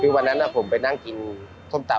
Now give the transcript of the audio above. คือวันนั้นผมไปนั่งกินส้มตำ